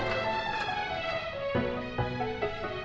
udah mau ke rumah